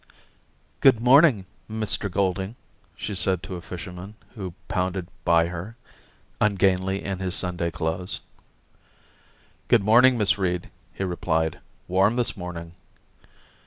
...* Good morning, Mr Golding !' she said to a fisherman who pounded by her, ungainly in his Sunday clothes. * Good morning, Miss Reed !' he replied. ' Warm this morning.'